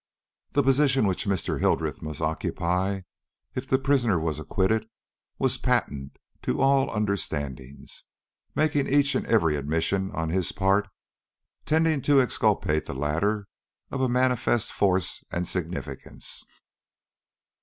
The position which Mr. Hildreth must occupy if the prisoner was acquitted, was patent to all understandings, making each and every admission on his part tending to exculpate the latter, of a manifest force and significance.